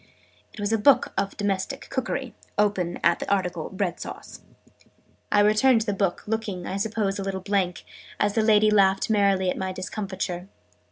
It was a book of Domestic Cookery, open at the article Bread Sauce.' I returned the book, looking, I suppose, a little blank, as the lady laughed merrily at my discomfiture.